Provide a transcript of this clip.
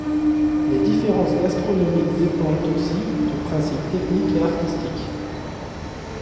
Les différences gastronomiques dépendent aussi de principes techniques et artistiques.